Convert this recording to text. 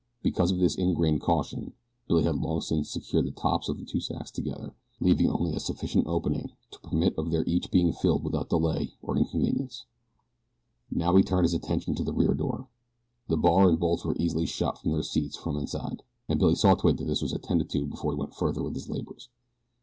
Because of this ingrained caution Billy had long since secured the tops of the two sacks together, leaving only a sufficient opening to permit of their each being filled without delay or inconvenience. Now he turned his attention to the rear door. The bar and bolts were easily shot from their seats from the inside, and Billy saw to it that this was attended to before he went further with his labors.